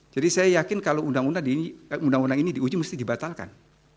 jadi saya yakin kalau undang undang ini diuji mesti dibatalkan